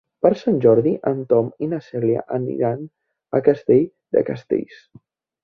Per Sant Jordi en Tom i na Cèlia aniran a Castell de Castells.